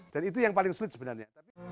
dan itu yang paling sulit sebenarnya